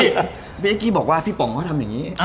เมื่อกี้บอกว่าพี่ป๋องเขาทำอย่างนี้